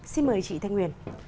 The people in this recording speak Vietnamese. xin mời chị thanh huyền